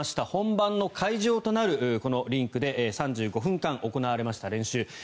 本番の会場となるリンクで３５分間行われました練習。